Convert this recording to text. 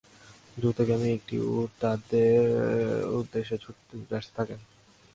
দ্রুতগামী একটি উট তাদের উদ্দেশে ছুটে আসতে থাকে।